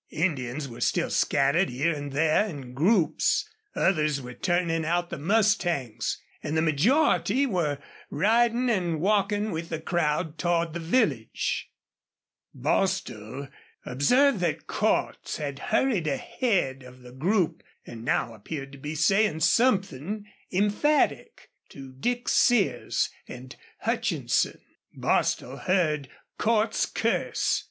Indians were still scattered here and there in groups; others were turning out the mustangs; and the majority were riding and walking with the crowd toward the village. Bostil observed that Cordts had hurried ahead of the group and now appeared to be saying something emphatic to Dick Sears and Hutchinson. Bostil heard Cordts curse.